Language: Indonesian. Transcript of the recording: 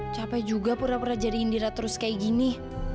capek juga pura pura jadi indira terus kayak gini